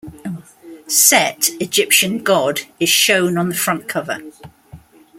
Set, Egyptian god, is shown on the front cover.